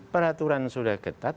peraturan sudah ketat